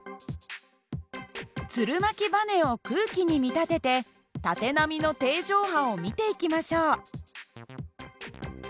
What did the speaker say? つるまきばねを空気に見立てて縦波の定常波を見ていきましょう。